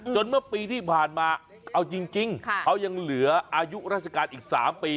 เมื่อปีที่ผ่านมาเอาจริงเขายังเหลืออายุราชการอีก๓ปี